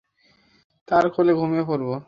তার কোলে ঘুমিয়ে পড়ব।